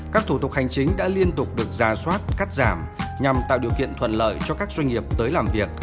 các thủ tục hành chính đã liên tục được ra soát cắt giảm nhằm tạo điều kiện thuận lợi cho các doanh nghiệp tới làm việc